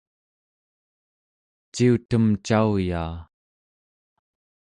ciutem cauyaa